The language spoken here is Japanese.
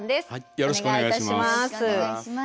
よろしくお願いします。